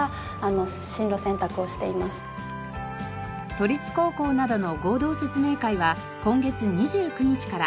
都立高校などの合同説明会は今月２９日から。